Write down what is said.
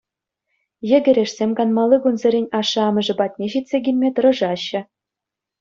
Йӗкӗрешсем канмалли кунсерен ашшӗ-амӑшӗ патне ҫитсе килме тӑрӑшаҫҫӗ.